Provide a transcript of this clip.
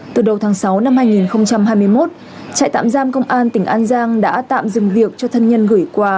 từ đầu tháng sáu năm hai nghìn hai mươi một trại tạm giam công an tỉnh an giang đã tạm dừng việc cho thân nhân gửi quà